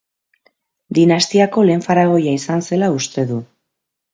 Dinastiako lehen faraoia izan zela uste du.